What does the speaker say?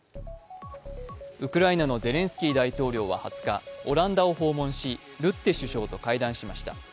ウクライナのゼレンスキー大統領は２０日、オランダを訪問し、ルッテ首相と会談しました。